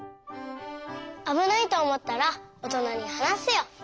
あぶないとおもったらおとなにはなすよ！